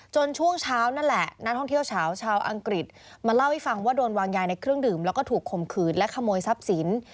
ช่วงเช้านั่นแหละนักท่องเที่ยวชาวชาวอังกฤษมาเล่าให้ฟังว่าโดนวางยายในเครื่องดื่มแล้วก็ถูกข่มขืนและขโมยทรัพย์สิน